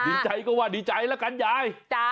ดีใจก็ว่าดีใจแล้วกันยาย